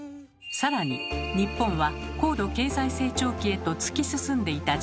更に日本は高度経済成長期へと突き進んでいた時代。